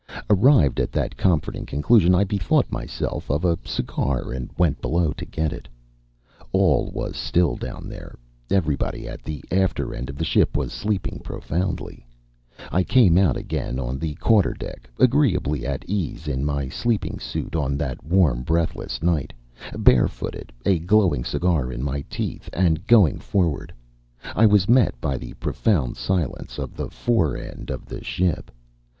Arrived at that comforting conclusion, I bethought myself of a cigar and went below to get it. All was still down there. Everybody at the after end of the ship was sleeping profoundly. I came out again on the quarter deck, agreeably at ease in my sleeping suit on that warm breathless night, barefooted, a glowing cigar in my teeth, and, going forward, I was met by the profound silence of the fore end of the ship.